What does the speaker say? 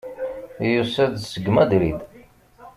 Yusa-d seg Madrid.